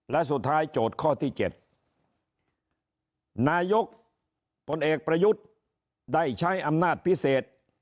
และสุดท้ายโจทย์ข้อที่๗นายกผลเอกประยุทธ์ได้ใช้อำนาจพิเศษ